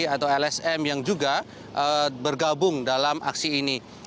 atau lsm yang juga bergabung dalam aksi ini